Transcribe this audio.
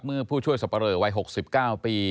เมื่อผู้ช่วยสประเริ่มวัย๖๙ปี